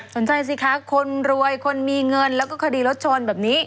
สิคะคนรวยคนมีเงินแล้วก็คดีรถชนแบบนี้